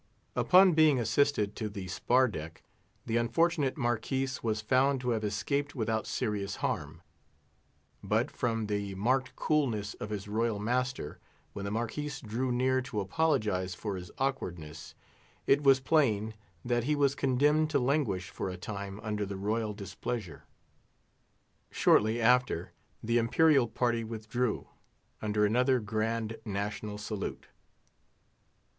Upon being assisted to the spar deck, the unfortunate Marquis was found to have escaped without serious harm; but, from the marked coolness of his royal master, when the Marquis drew near to apologise for his awkwardness, it was plain that he was condemned to languish for a time under the royal displeasure. Shortly after, the Imperial party withdrew, under another grand national salute.